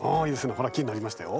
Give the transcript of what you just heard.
ほら木になりましたよ。